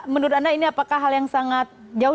menurut anda ini apakah hal yang sangat jauh